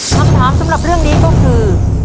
คำถามสำหรับเรื่องนี้ก็คือ